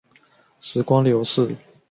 时光流逝